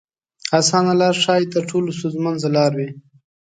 اسانه لار ښايي تر ټولو ستونزمنه لار وي.